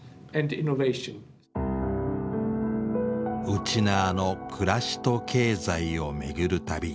うちなーの暮らしと経済を巡る旅。